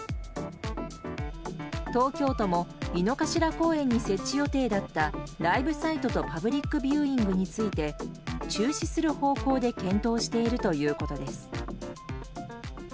東京都も井の頭公園に設置予定だったライブサイトとパブリックビューイングについて中止する方向で検討しているということです。